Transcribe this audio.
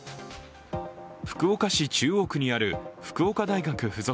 福岡市中央区にある福岡大学付属